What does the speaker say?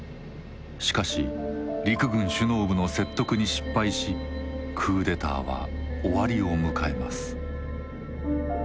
しかし陸軍首脳部の説得に失敗しクーデターは終わりを迎えます。